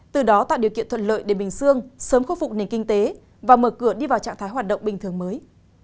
từ đó tạo điều kiện thuận lợi để bình dương sớm khôi phục nền kinh tế và mở cửa đi vào trạng thái hoạt động bình thường mới